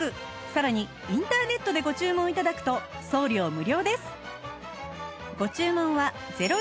さらにインターネットでご注文頂くと送料無料です